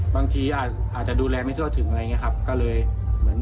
บางทีอาจจะดูแลไม่ทั่วถึงอะไรอย่างนี้ครับ